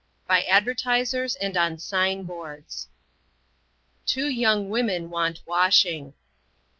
By Advertisers and on Sign boards. Two young women want washing.